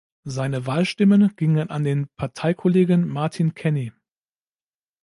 Seine Wahlstimmen gingen an den Parteikollegen Martin Kenny.